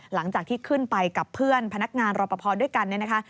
หลังจากที่ขึ้นไปกับเพื่อนพนักงานรอปภด้วยกันเนี่ยนะคะ